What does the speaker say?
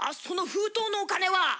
その封筒のお金は。